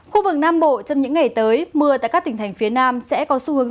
khu vực nam bộ trong những ngày tới mưa tại các tỉnh thành phía nam sẽ có xu hướng